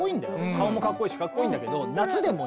顔もかっこいいしかっこいいんだけど夏？